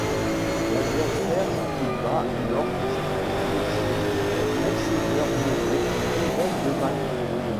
L'adversaire qu'il bat lors de cette élection est monseigneur Moreau, évêque de Mâcon.